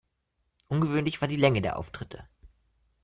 Ungewöhnlich war die Länge der Auftritte.